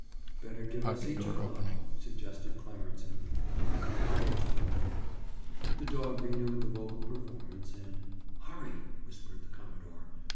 "Better give us each a club," suggested Clarence in a weak voice. Which Bob did. The dog renewed the vocal performance, and— "Hurry," whispered the commodore.